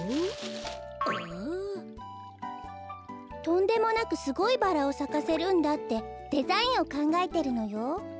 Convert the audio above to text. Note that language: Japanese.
とんでもなくすごいバラをさかせるんだってデザインをかんがえてるのよ。